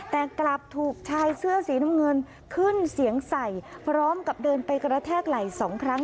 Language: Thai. แต่กลับถูกชายเสื้อสีน้ำเงินขึ้นเสียงใส่พร้อมกับเดินไปกระแทกไหล่สองครั้ง